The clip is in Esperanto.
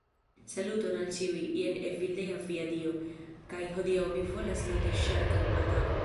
Saluton al ĉiuj, jen Evildea via dio, kaj hodiaŭ mi volas ludi Ŝarkan Atakon.